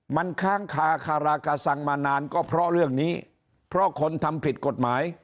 มันค้างคาคารากาสังมานานก็เพราะเรื่องนี้เพราะคนทำผิดกฎหมาย